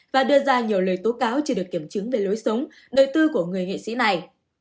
và đưa ra nhiều lời tố cáo chưa được kiểm chứng về lối sống đời tư của người nghệ sĩ này